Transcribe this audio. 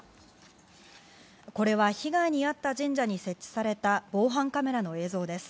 これは被害に遭った神社に設置された防犯カメラの映像です。